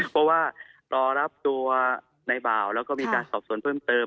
เพราะว่ารอรับตัวในบ่าวแล้วก็มีการสอบส่วนเพิ่มเติม